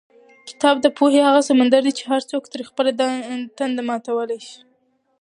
کتاب د پوهې هغه سمندر دی چې هر څوک ترې خپله تنده ماتولی شي.